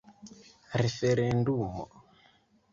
referendumo